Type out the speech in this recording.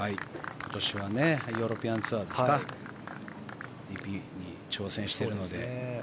今年はヨーロピアンツアーですか挑戦しているので。